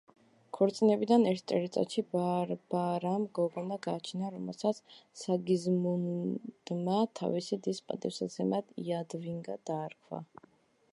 ქორწინებიდან ერთ წელიწადში ბარბარამ გოგონა გააჩინა, რომელსაც სიგიზმუნდმა თავისი დის პატივსაცემად იადვიგა დაარქვა.